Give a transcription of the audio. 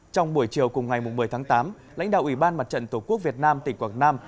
trong buổi chiều cùng ngày một mươi tháng tám lãnh đạo ủy ban mặt trận tổ quốc việt nam tỉnh quảng nam